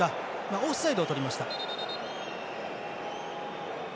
オフサイドをとりました。